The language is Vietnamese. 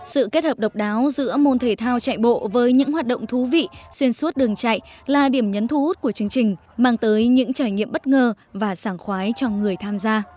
sự kết hợp độc đáo giữa môn thể thao chạy bộ với những hoạt động thú vị xuyên suốt đường chạy là điểm nhấn thu hút của chương trình mang tới những trải nghiệm bất ngờ và sàng khoái cho người tham gia